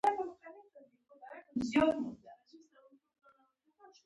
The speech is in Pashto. چې د حملې پر وخت يې ووايم.